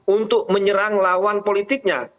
untuk menyerang lawan politiknya